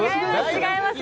違います